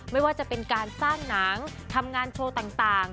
ไม่ว่าจะเป็นการสร้างหนังทำงานโชว์ต่าง